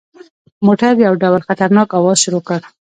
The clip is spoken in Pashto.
موټر یو ډول خطرناک اواز شروع کړ.